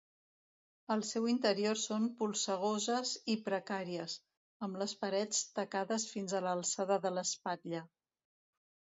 Al seu interior són "polsegoses" i "precàries", amb les parets "tacades fins a l'alçada de l'espatlla".